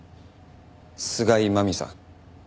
菅井真美さん。